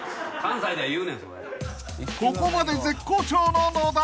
［ここまで絶好調の野田］